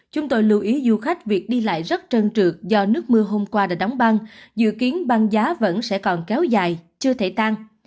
chúng tôi lưu ý du khách việc đi lại rất trơn trượt do nước mưa hôm qua đã đóng băng dự kiến băng giá vẫn sẽ còn kéo dài chưa thể tăng